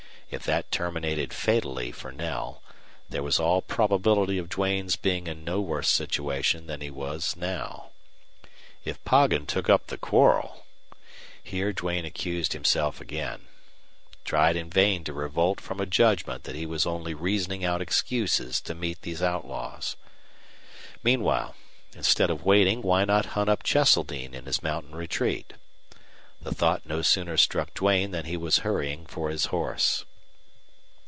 If that terminated fatally for Knell there was all probability of Duane's being in no worse situation than he was now. If Poggin took up the quarrel! Here Duane accused himself again tried in vain to revolt from a judgment that he was only reasoning out excuses to meet these outlaws. Meanwhile, instead of waiting, why not hunt up Cheseldine in his mountain retreat? The thought no sooner struck Duane than he was hurrying for his horse.